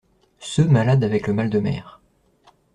Ceux malades avec le mal de mer.